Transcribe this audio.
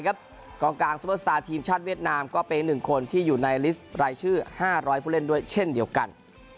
กลางทีมชาติเวียดนามก็เป็นหนึ่งคนที่อยู่ในลิสต์รายชื่อห้าร้อยผู้เล่นด้วยเช่นเดียวกัน